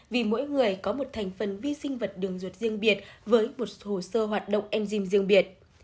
vì mỗi người có một thành phần vi sinh vật đường ruột riêng biệt với một hồ sơ hoạt động enzym riêng biệt